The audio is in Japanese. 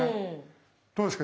どうですか？